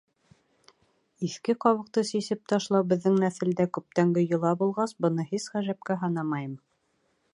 — Иҫке ҡабыҡты сисеп ташлау беҙҙең нәҫелдә күптәнге йола булғас, быны һис ғәжәпкә һанамайым.